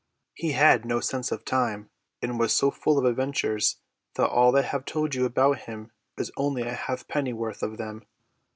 He had no sense of time, and was so full of adventures that all I have told you about him is only a halfpenny worth of them.